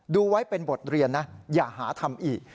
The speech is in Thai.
ดูไว้เป็นบทเรียนนะอย่าหาทำอีก